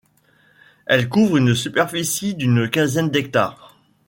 Elle couvre une superficie d'une quinzaine d'hectares.